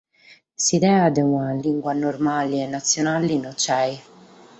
S’idea de una limba normale e natzionale non b’est.